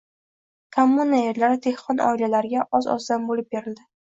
“Kommuna” yerlari dehqon oilalariga oz-ozdan bo‘lib berildi.